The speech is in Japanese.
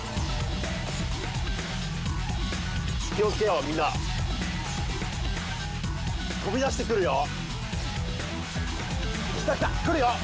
気をつけようみんな飛び出してくるよ来た来た来るよ！